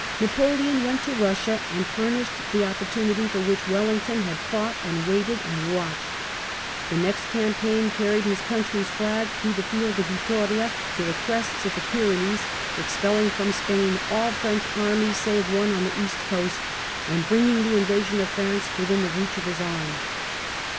Napoleon went to Bossia and fnmisbed tbe opportonify for which Wellington bad fought and waited and watched The next campaign carried his country's flag through the field of Yittoria to the crests of the Pyrenees, ex|)6Uing from Spain all French armies save one on the eM% coadt^ and bringing the invasion of France within the roach of his arm.